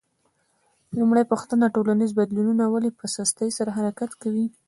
لومړۍ پوښتنه: ټولنیزو بدلونونو ولې په سستۍ سره حرکت کاوه؟